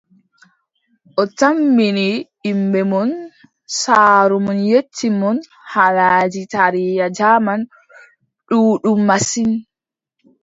O tammi ni yimɓe mon, saaro mon yecci mon haalaaji taariya jaaman ɗuuɗɗum masin.